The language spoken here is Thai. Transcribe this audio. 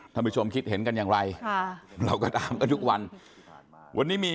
ท่านผู้ชมคิดเห็นกันอย่างไรค่ะเราก็ตามกันทุกวันวันนี้มี